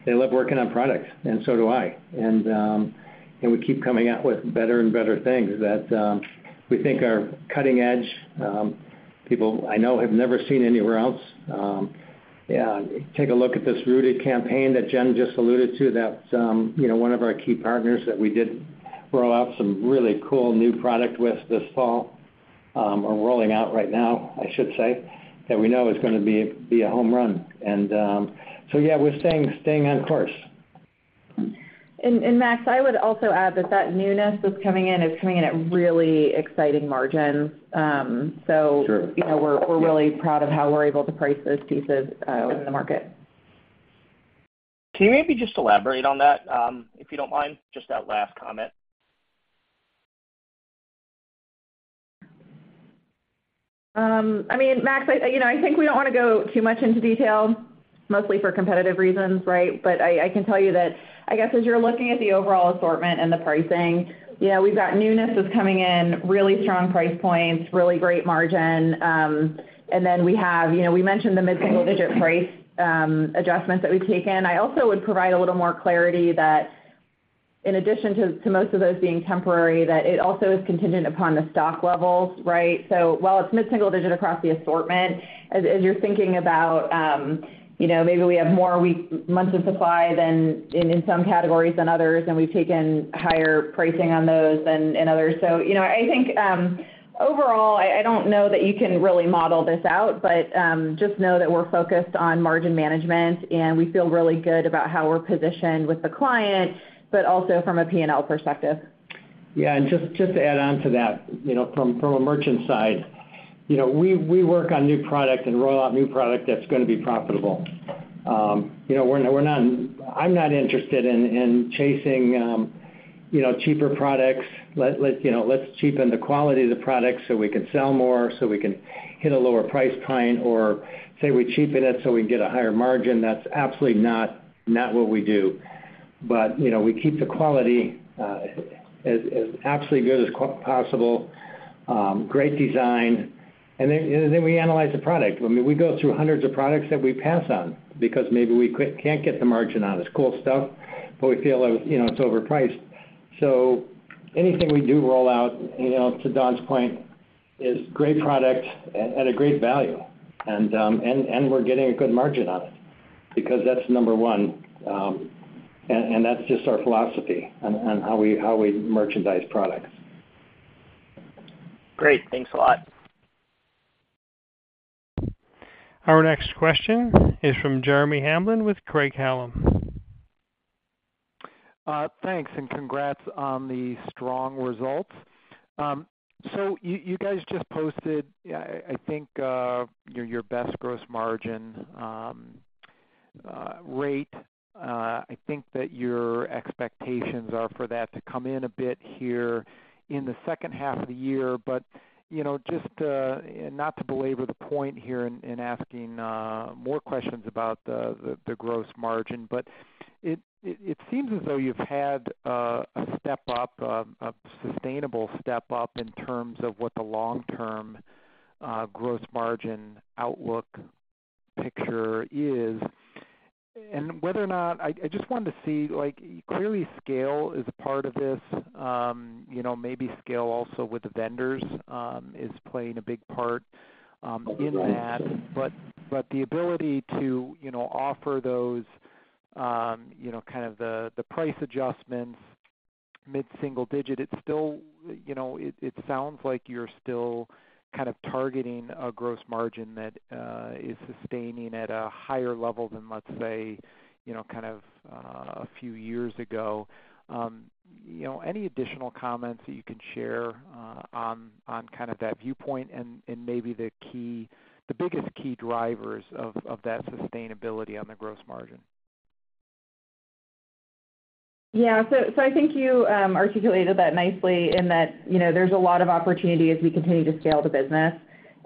they love working on products, and so do I. We keep coming out with better and better things that we think are cutting edge, people I know have never seen anywhere else. Yeah, take a look at this Rooted campaign that Jen just alluded to, that, you know, one of our key partners that we did roll out some really cool new product with this fall, are rolling out right now, I should say, that we know is gonna be, be a home run. Yeah, we're staying, staying on course. Max, I would also add that that newness that's coming in, is coming in at really exciting margins. So- Sure. You know, we're, we're really proud of how we're able to price those pieces in the market. Can you maybe just elaborate on that, if you don't mind, just that last comment?... I mean Max, I, you know, I think we don't want to go too much into detail, mostly for competitive reasons, right? I, I can tell you that, I guess, as you're looking at the overall assortment and the pricing, yeah, we've got newness that's coming in, really strong price points, really great margin. Then we have, you know, we mentioned the mid-single digit price adjustments that we've taken. I also would provide a little more clarity that in addition to, to most of those being temporary, that it also is contingent upon the stock levels, right? While it's mid-single digit across the assortment, as, as you're thinking about, you know, maybe we have more weak months of supply than in, in some categories than others, and we've taken higher pricing on those than in others. you know, I think, overall, I, I don't know that you can really model this out, but, just know that we're focused on margin management, and we feel really good about how we're positioned with the client, but also from a PNL perspective. Yeah, just, just to add on to that, you know, from, from a merchant side, you know, we, we work on new product and roll out new product that's going to be profitable. You know, we're not, I'm not interested in chasing, you know, cheaper products. Let's, let's, you know, let's cheapen the quality of the product so we can sell more, so we can hit a lower price point, or say we cheapen it so we can get a higher margin. That's absolutely not, not what we do. You know, we keep the quality as, as absolutely good as possible, great design, and then, and then we analyze the product. I mean, we go through hundreds of products that we pass on because maybe we can't get the margin on it. It's cool stuff, we feel like, you know, it's overpriced. Anything we do roll out, you know, to Dawn's point, is great product at, at a great value. And we're getting a good margin on it because that's number one, and that's just our philosophy on how we, how we merchandise products. Great. Thanks a lot. Our next question is from Jeremy Hamblin with Craig-Hallum. Thanks, and congrats on the strong results. You, you guys just posted, I think, your, your best gross margin rate. I think that your expectations are for that to come in a bit here in the second half of the year. You know, just, and not to belabor the point here in, in asking, more questions about the, the, the gross margin, but it, it, it seems as though you've had, a step up, a, a sustainable step up in terms of what the long-term, gross margin outlook picture is. Whether or not... I, I just wanted to see, like, clearly, scale is a part of this, you know, maybe scale also with the vendors, is playing a big part, in that. But the ability to, you know, offer those, you know, kind of the, the price adjustments, mid-single digit, it's still, you know, it, it sounds like you're still kind of targeting a gross margin that is sustaining at a higher level than, let's say, you know, kind of, a few years ago. You know, any additional comments that you can share on, on kind of that viewpoint and, and maybe the biggest key drivers of, of that sustainability on the gross margin? Yeah. So I think you articulated that nicely in that, you know, there's a lot of opportunity as we continue to scale the business.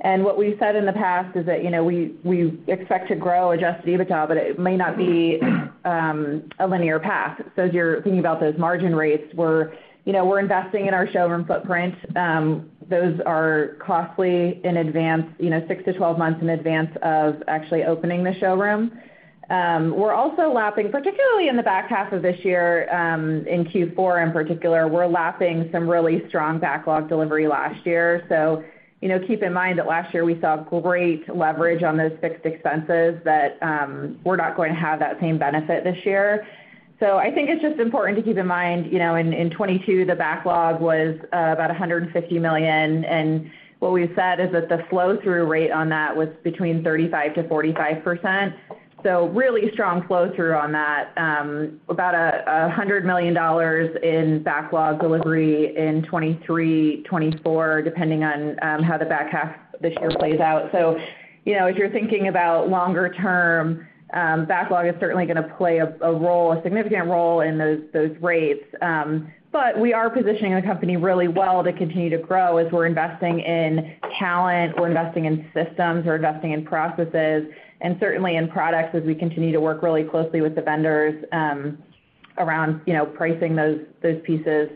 What we've said in the past is that, you know, we, we expect to grow adjusted EBITDA, but it may not be a linear path. As you're thinking about those margin rates, we're, you know, we're investing in our showroom footprint. Those are costly in advance, you know, 6-12 months in advance of actually opening the showroom. We're also lapping, particularly in the back half of this year, in Q4 in particular, we're lapping some really strong backlog delivery last year. You know, keep in mind that last year we saw great leverage on those fixed expenses that we're not going to have that same benefit this year. I think it's just important to keep in mind, you know, in 2022, the backlog was about $150 million, and what we've said is that the flow-through rate on that was between 35%-45%. Really strong flow-through on that. About $100 million in backlog delivery in 2023, 2024, depending on how the back half of this year plays out. You know, as you're thinking about longer term, backlog is certainly gonna play a role, a significant role in those, those rates. We are positioning the company really well to continue to grow as we're investing in talent, we're investing in systems, we're investing in processes, and certainly in products as we continue to work really closely with the vendors, around, you know, pricing those, those pieces.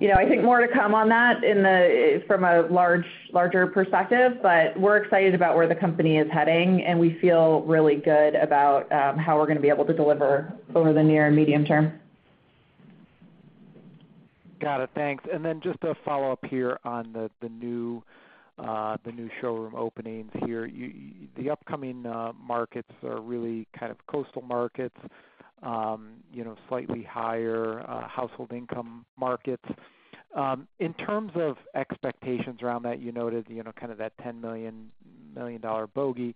You know, I think more to come on that in the, from a larger perspective, but we're excited about where the company is heading, and we feel really good about how we're gonna be able to deliver over the near and medium term. Got it. Thanks. Then just a follow-up here on the, the new, the new showroom openings here. The upcoming markets are really kind of coastal markets, you know, slightly higher household income markets. In terms of expectations around that, you noted, you know, kind of that $10 million, million-dollar bogey.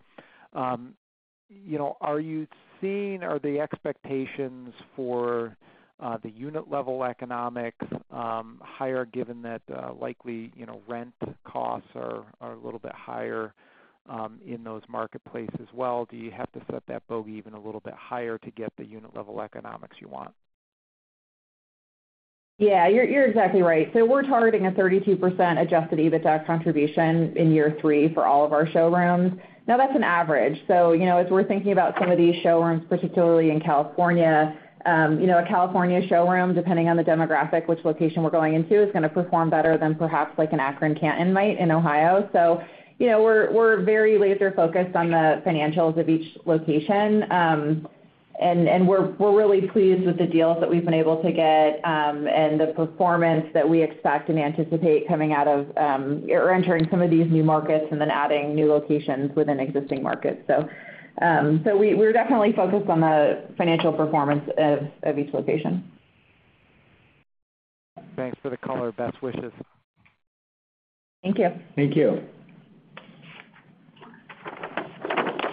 You know, are you seeing, are the expectations for the unit-level economics higher, given that likely, you know, rent costs are, are a little bit higher in those marketplaces as well? Do you have to set that bogey even a little bit higher to get the unit-level economics you want?... Yeah, you're, you're exactly right. We're targeting a 32% adjusted EBITDA contribution in year 3 for all of our showrooms. Now, that's an average. You know, as we're thinking about some of these showrooms, particularly in California, you know, a California showroom, depending on the demographic, which location we're going into, is gonna perform better than perhaps like an Akron-Canton might in Ohio. You know, we're, we're very laser focused on the financials of each location. And, and we're, we're really pleased with the deals that we've been able to get, and the performance that we expect and anticipate coming out of, or entering some of these new markets and then adding new locations within existing markets. We're definitely focused on the financial performance of, of each location. Thanks for the call. Our best wishes. Thank you. Thank you.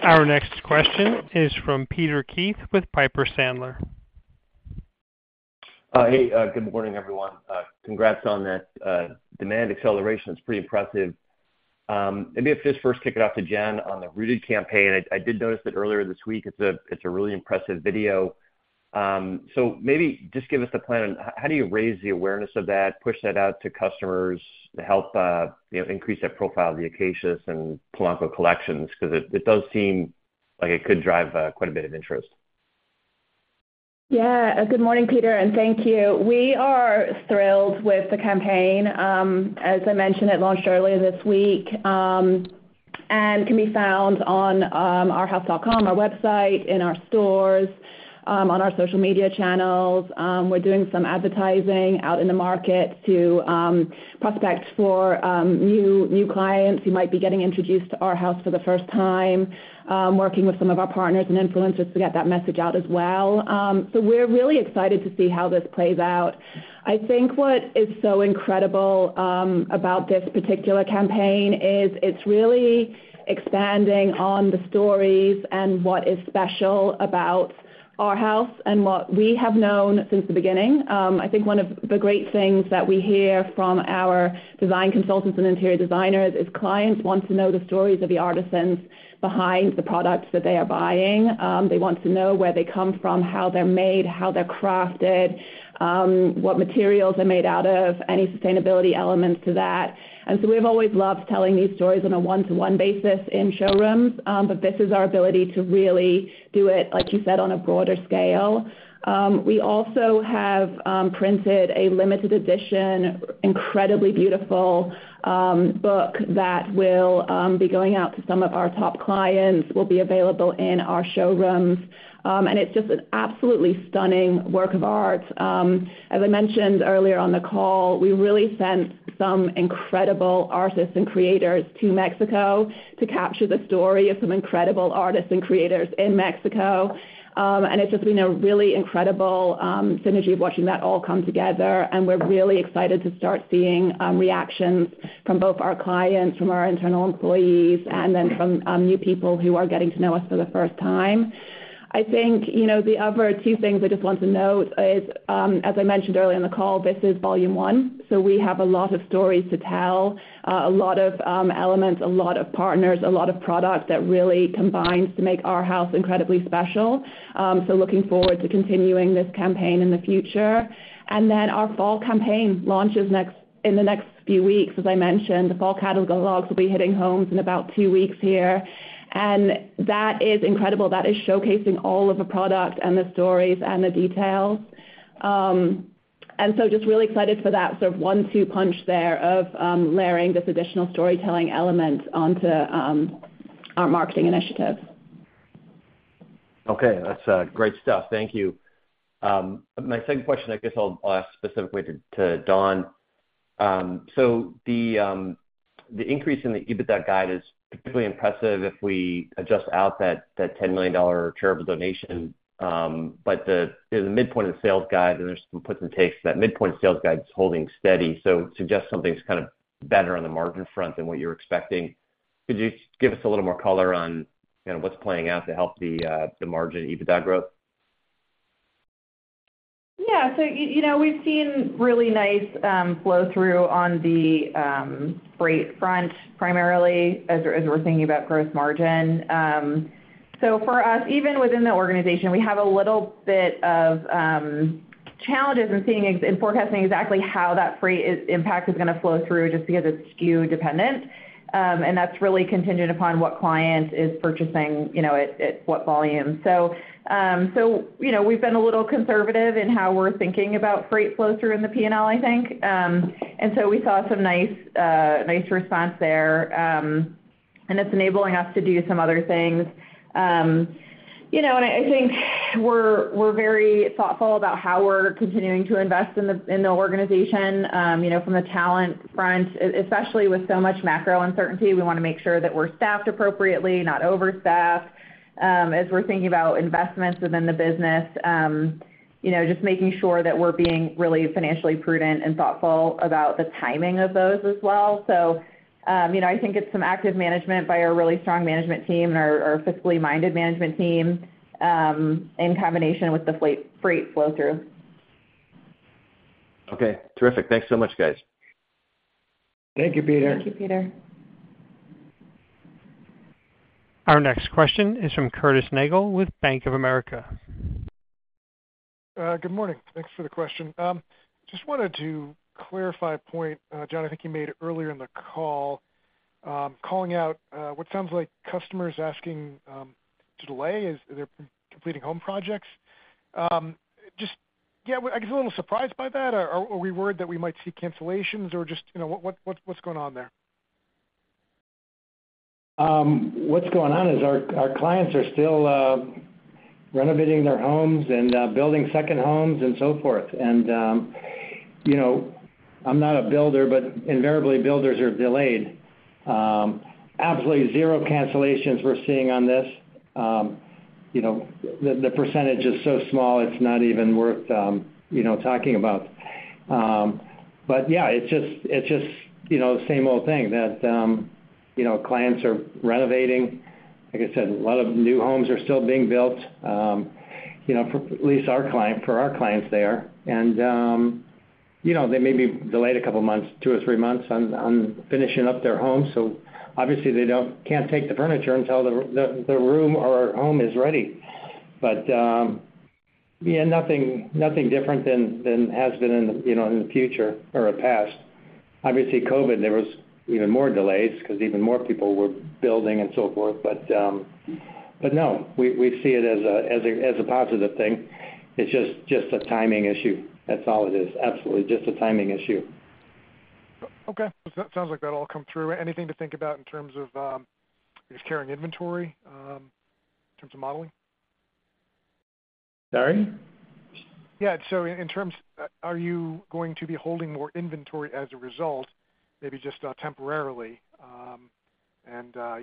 Our next question is from Peter Keith with Piper Sandler. Hey, good morning, everyone. Congrats on that demand acceleration. It's pretty impressive. Maybe if just first kick it off to Jen on the Rooted campaign. I, I did notice that earlier this week. It's a, it's a really impressive video. Maybe just give us the plan on h-how do you raise the awareness of that, push that out to customers to help, you know, increase that profile of the Acacius and Polanco collections, 'cause it, it does seem like it could drive quite a bit of interest. Yeah. Good morning, Peter. Thank you. We are thrilled with the campaign. As I mentioned, it launched earlier this week, and can be found on arhaus.com, our website, in our stores, on our social media channels. We're doing some advertising out in the market to prospect for new, new clients who might be getting introduced to Arhaus for the first time, working with some of our partners and influencers to get that message out as well. We're really excited to see how this plays out. I think what is so incredible about this particular campaign is it's really expanding on the stories and what is special about Arhaus and what we have known since the beginning. I think one of the great things that we hear from our design consultants and interior designers, is clients want to know the stories of the artisans behind the products that they are buying. They want to know where they come from, how they're made, how they're crafted, what materials they're made out of, any sustainability elements to that. So we've always loved telling these stories on a one-to-one basis in showrooms, but this is our ability to really do it, like you said, on a broader scale. We also have printed a limited edition, incredibly beautiful, book that will be going out to some of our top clients, will be available in our showrooms. It's just an absolutely stunning work of art. As I mentioned earlier on the call, we really sent some incredible artists and creators to Mexico to capture the story of some incredible artists and creators in Mexico. And it's just been a really incredible synergy of watching that all come together, and we're really excited to start seeing reactions from both our clients, from our internal employees, and then from new people who are getting to know us for the first time. I think, you know, the other two things I just want to note is, as I mentioned earlier in the call, this is volume one, so we have a lot of stories to tell, a lot of elements, a lot of partners, a lot of products that really combines to make Arhaus incredibly special. Looking forward to continuing this campaign in the future. Our fall campaign launches next in the next few weeks. As I mentioned, the fall catalogs will be hitting homes in about 2 weeks here. That is incredible. That is showcasing all of the products and the stories and the details. Just really excited for that sort of 1-2 punch there of layering this additional storytelling element onto our marketing initiative. Okay, that's great stuff. Thank you. My second question, I guess I'll ask specifically to, to Dawn. The increase in the EBITDA guide is particularly impressive if we adjust out that, that $10 million charitable donation. The midpoint of the sales guide, and there's some puts and takes, that midpoint sales guide is holding steady, so suggests something's kind of better on the margin front than what you were expecting. Could you give us a little more color on, you know, what's playing out to help the margin EBITDA growth? Yeah. You know, we've seen really nice flow-through on the freight front, primarily as we're, as we're thinking about gross margin. For us, even within the organization, we have a little bit of challenges in seeing in forecasting exactly how that freight impact is gonna flow through just because it's SKU dependent, and that's really contingent upon what client is purchasing, you know, at, at what volume. You know, we've been a little conservative in how we're thinking about freight flow-through in the PNL, I think. We saw some nice nice response there, and it's enabling us to do some other things. You know, I think we're, we're very thoughtful about how we're continuing to invest in the, in the organization, you know, from a talent front, especially with so much macro uncertainty, we wanna make sure that we're staffed appropriately, not overstaffed. As we're thinking about investments within the business, you know, just making sure that we're being really financially prudent and thoughtful about the timing of those as well. You know, I think it's some active management by our really strong management team and our, our fiscally minded management team, in combination with the freight flow-through. Okay, terrific. Thanks so much, guys. Thank you, Peter. Thank you, Peter. Our next question is from Curtis Nagle with Bank of America. Good morning. Thanks for the question. Just wanted to clarify a point, John, I think you made earlier in the call, calling out what sounds like customers asking to delay as they're completing home projects. Just, yeah, I guess a little surprised by that. Are, are we worried that we might see cancellations or just, you know, what, what, what's going on there? What's going on is our, our clients are still renovating their homes and building second homes and so forth. You know, I'm not a builder, but invariably, builders are delayed. Absolutely zero cancellations we're seeing on this. You know, the, the percentage is so small, it's not even worth, you know, talking about. Yeah, it's just, it's just, you know, the same old thing that, you know, clients are renovating. Like I said, a lot of new homes are still being built, you know, for at least our clients there. You know, they may be delayed 2 months, 2 or 3 months, on, on finishing up their homes, so obviously they can't take the furniture until the, the, the room or home is ready. Yeah, nothing, nothing different than, than has been in the, you know, in the future or the past. Obviously, COVID, there was even more delays because even more people were building and so forth. But no, we, we see it as a, as a, as a positive thing. It's just, just a timing issue. That's all it is. Absolutely, just a timing issue. Okay. Sounds like that'll all come through. Anything to think about in terms of carrying inventory, in terms of modeling? Sorry? Yeah. In terms... Are you going to be holding more inventory as a result, maybe just temporarily?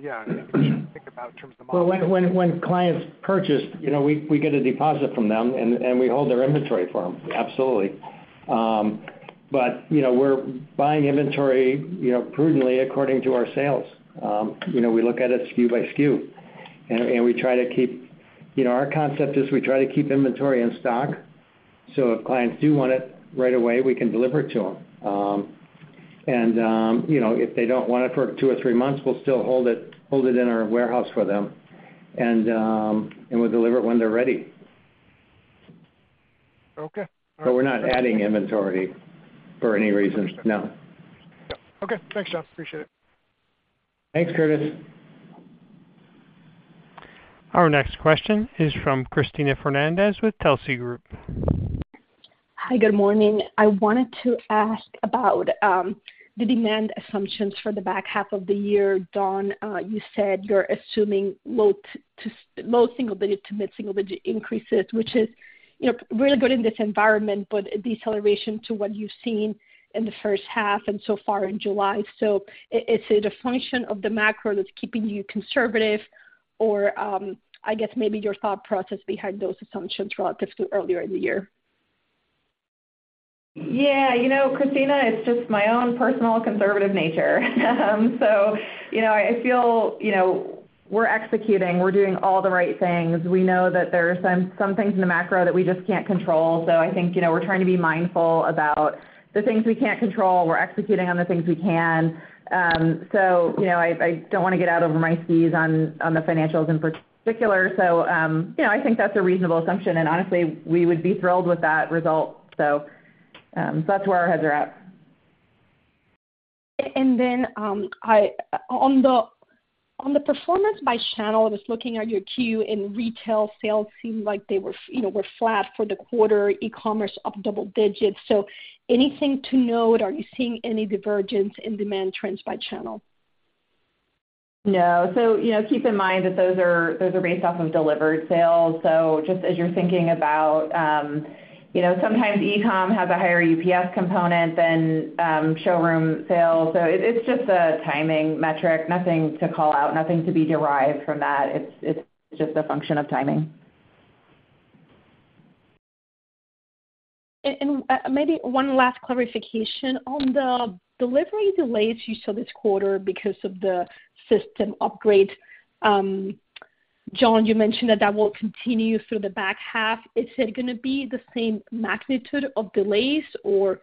Yeah, anything to think about in terms of modeling? Well, when, when, when clients purchase, you know, we, we get a deposit from them, and, and we hold their inventory for them. Absolutely. You know, we're buying inventory, you know, prudently according to our sales. You know, we look at it SKU by SKU, and, and we try to keep... You know, our concept is we try to keep inventory in stock, so if clients do want it right away, we can deliver it to them. You know, if they don't want it for 2 or 3 months, we'll still hold it, hold it in our warehouse for them, and we'll deliver it when they're ready. Okay. We're not adding inventory for any reason. No. Okay. Thanks, John. Appreciate it. Thanks, Curtis. Our next question is from Cristina Fernandez with Telsey Group. Hi, good morning. I wanted to ask about the demand assumptions for the back half of the year. Dawn, you said you're assuming low single digit to mid single digit increases, which is, you know, really good in this environment, but a deceleration to what you've seen in the first half and so far in July. Is it a function of the macro that's keeping you conservative or, I guess maybe your thought process behind those assumptions relatives to earlier in the year? Yeah. You know, Cristina, it's just my own personal conservative nature. You know, I feel, you know, we're executing, we're doing all the right things. We know that there are some, some things in the macro that we just can't control. I think, you know, we're trying to be mindful about the things we can't control. We're executing on the things we can. You know, I, I don't want to get out over my skis on, on the financials in particular. You know, I think that's a reasonable assumption, and honestly, we would be thrilled with that result. That's where our heads are at. On the performance by channel, just looking at your Q, in retail sales seemed like they were, you know, were flat for the quarter, e-commerce up double digits. Anything to note, are you seeing any divergence in demand trends by channel? No. You know, keep in mind that those are, those are based off of delivered sales. Just as you're thinking about, you know, sometimes e-com has a higher UPS component than showroom sales, so it's just a timing metric. Nothing to call out, nothing to be derived from that. It's, it's just a function of timing. Maybe one last clarification. On the delivery delays you saw this quarter because of the system upgrade, John, you mentioned that that will continue through the back half. Is it gonna be the same magnitude of delays, or,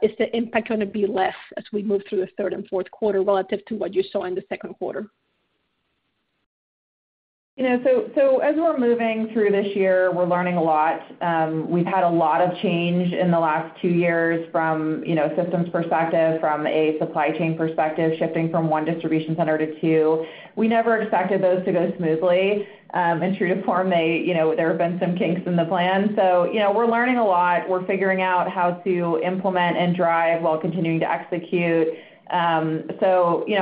is the impact gonna be less as we move through the third and fourth quarter relative to what you saw in the second quarter? You know, so as we're moving through this year, we're learning a lot. We've had a lot of change in the last two years from, you know, systems perspective, from a supply chain perspective, shifting from one distribution center to two. We never expected those to go smoothly. True to form, they, you know, there have been some kinks in the plan. You know, we're learning a lot. We're figuring out how to implement and drive while continuing to execute. You know,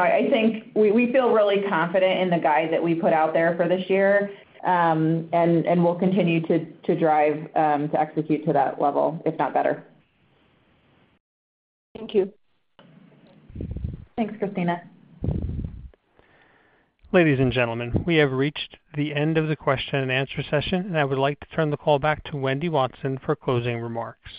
I think we, we feel really confident in the guide that we put out there for this year. We'll continue to, to drive, to execute to that level, if not better. Thank you. Thanks, Cristina. Ladies and gentlemen, we have reached the end of the question-and-answer session, and I would like to turn the call back to Wendy Watson for closing remarks.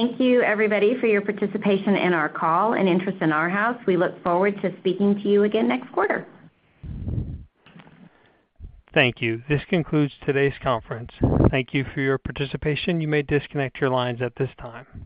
Thank you, everybody, for your participation in our call and interest in Arhaus. We look forward to speaking to you again next quarter. Thank you. This concludes today's conference. Thank you for your participation. You may disconnect your lines at this time.